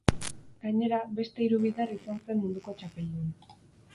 Gainera, beste hiru bider izan zen munduko txapeldun.